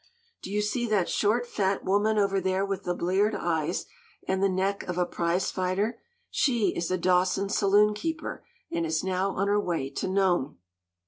Do you see that short, fat woman over there with the bleared eyes, and the neck of a prize fighter? She is a Dawson saloon keeper, and is now on her way to Nome.